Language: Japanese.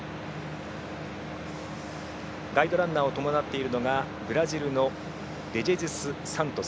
ガイドランナーを伴っているのがブラジルのデジェズスサントス